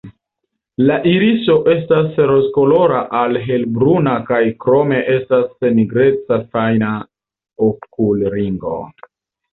La iriso estas rozkolora al helbruna kaj krome estas nigreca fajna okulringo.